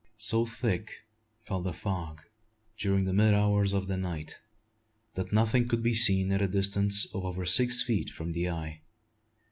So thick fell the fog during the mid hours of the night, that nothing could be seen at the distance of over six feet from the eye.